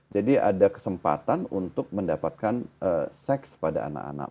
ada kesempatan untuk mendapatkan seks pada anak anak